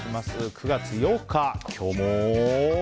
９月８日、今日も。